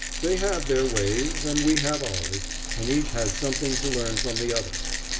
They have their ways, and we have ours, and each has something to learn from the other.